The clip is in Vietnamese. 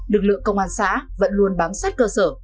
lực lượng công an xã vẫn luôn bám sát cơ sở